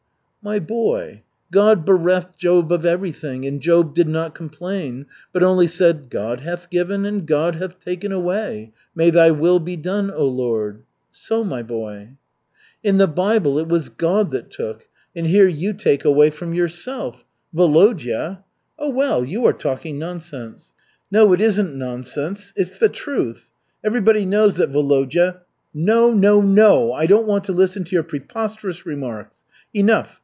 "My boy, God bereft Job of everything, and Job did not complain, but only said: 'God hath given and God hath taken away may thy will be done, oh, Lord!' So, my boy." "In the Bible it was God that took, and here you take away from yourself. Volodya " "Oh, well, you are talking nonsense." "No, it isn't nonsense, it's the truth. Everybody knows that Volodya " "No, no, no! I don't want to listen to your preposterous remarks. Enough!